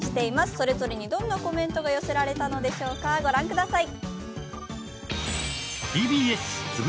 それぞれにどんなコメントが寄せられたのでしょうか、ご覧ください。